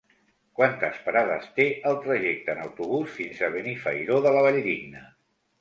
Quantes parades té el trajecte en autobús fins a Benifairó de la Valldigna?